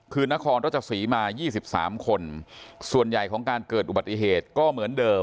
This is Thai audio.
คือนครรัชศรีมา๒๓คนส่วนใหญ่ของการเกิดอุบัติเหตุก็เหมือนเดิม